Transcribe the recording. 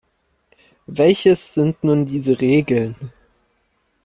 Welches sind nun diese Regeln?